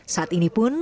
saat ini pun